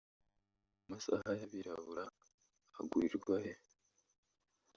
”Aya masaha y’abirabura agurirwa he